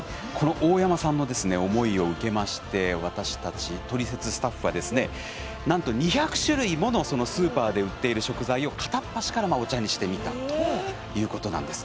大山さんの思いを受けて私たち、「トリセツ」スタッフはなんと２００種類ものスーパーで売っている食材を片っ端からお茶にしてみたということなんです。